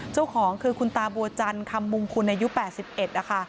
เจ้าของคือคุณตาบัวจันคำมงคุณอายุ๘๑นะคะ